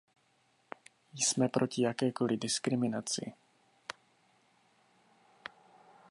Jsem proti jakékoli diskriminaci.